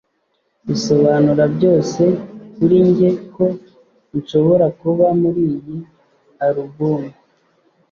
bisobanura byose kuri njye ko nshobora kuba muri iyi alubumu